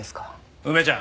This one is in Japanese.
梅ちゃん。